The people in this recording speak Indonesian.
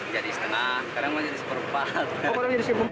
jadi setengah kadang jadi seperempat